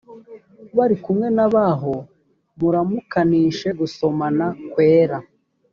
bari kumwe na bo h muramukanishe gusomana kwera